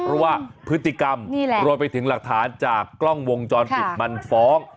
เพราะว่าพฤติกรรมรวมไปถึงหลักฐานจากกล้องวงจรปิดมันฟ้อง